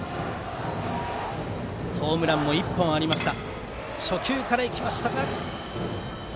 ホームランも１本ありました。